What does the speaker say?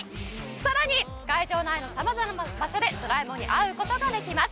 更に、会場内の様々な場所でドラえもんに会うことができます。